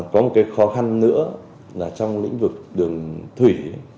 có một cái khó khăn nữa là trong lĩnh vực đường thủy